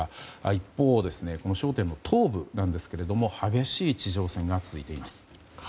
一方、東部なんですが激しい地上戦が続いています。